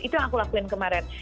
itu yang aku lakuin kemarin